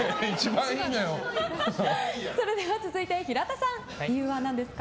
続いて、平田さん理由は何ですか？